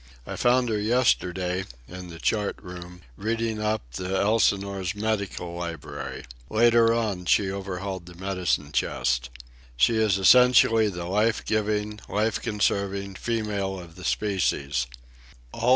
I found her yesterday, in the chart room, reading up the Elsinore's medical library. Later on she overhauled the medicine chest. She is essentially the life giving, life conserving female of the species.